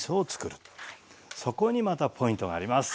そこにまたポイントがあります。